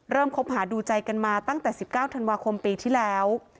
เริ่มคบหาดูใจกันมาตั้งแต่สิบเก้าธันวาคมปีที่แล้ว